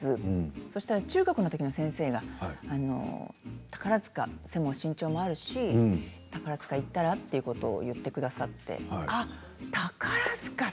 そうしたら中学のときの先生が背も身長もあるし宝塚に行ったら？ということを言ってくださってああ、宝塚だ！